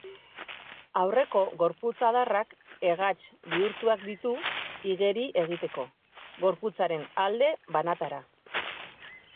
Aurreko gorputz-adarrak hegats bihurtuak ditu igeri egiteko, gorputzaren alde banatara.